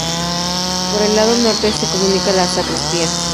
Por el lado norte se comunica con la sacristía.